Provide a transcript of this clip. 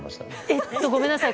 えっと、ごめんなさい。